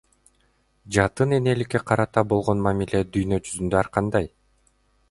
Жатын энеликке карата болгон мамиле дүйнө жүзүндө ар кандай.